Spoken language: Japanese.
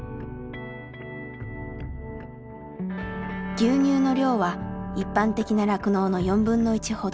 牛乳の量は一般的な酪農の４分の１ほど。